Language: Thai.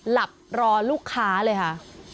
หลับรอลูกค้าเลยค่ะ